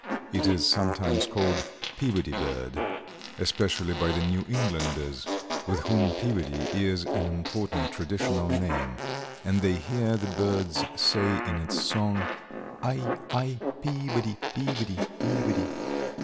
It is sometimes called Peabody Bird, especially by the New Englanders, with whom Peabody is an important traditional name, and they hear the birds say in its song "I—I Pea body, Pea body, Pea body."